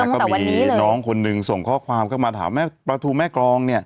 นี่ก็มีน้องคนนึงส่งข้อความเข้ามาถามประทูแม่กรอง